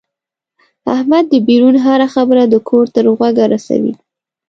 احمد دبیرون هره خبره د کور تر غوږه رسوي.